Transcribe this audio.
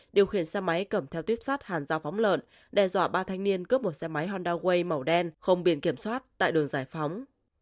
điều khiển xe máy cầm theo tuyếp sát hàn giao phóng lợn đe dọa ba thanh niên cướp một xe máy honda way màu đen không biển kiểm soát tại đường giải phóng